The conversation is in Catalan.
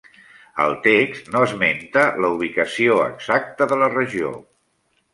El text no esmenta la ubicació exacta de la regió.